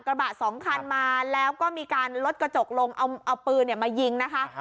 กระบะสองคันมาแล้วก็มีการลดกระจกลงเอาปืนมายิงนะคะ